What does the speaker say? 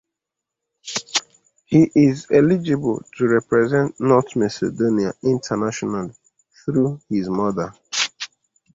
He is eligible to represent North Macedonia internationally through his mother.